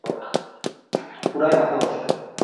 পুরাই মাথা নষ্ট।